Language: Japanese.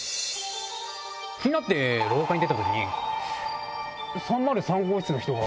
気になって廊下に出た時に。